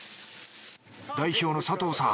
代表の佐藤さん